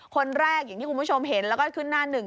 คนแรกอย่างที่คุณผู้ชมเห็นแล้วก็ขึ้นหน้าหนึ่ง